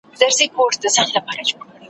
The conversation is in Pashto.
دا وطن دی د رنځورو او خوږمنو ,